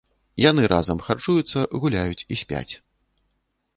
Яны разам харчуюцца, гуляюць і спяць.